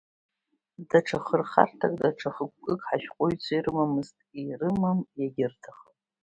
Даҽа хырхарҭак, даҽа хықәкык ҳашәҟәыҩҩцәа ирымамызт, ирымам, иагьырҭахым.